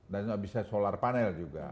dan bisa solar panel juga